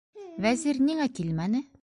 - Вәзир ниңә килмәне?